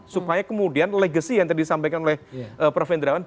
supaya kemudian legacy yang tadi disampaikan oleh prof hendrawan